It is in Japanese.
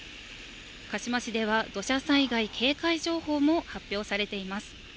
鹿嶋市では土砂災害警戒情報も発表されています。